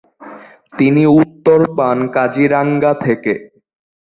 তিনি উত্তর পান-কাজিরাঙ্গা থেকে।